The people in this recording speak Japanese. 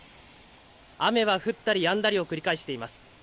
雨は降ったりやんだりを繰り返しています。